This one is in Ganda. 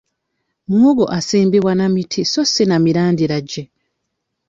Muwogo asimbibwa na biti so si na mirandira gye.